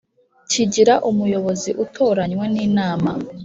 Kigira umuyobozi utoranywa n inama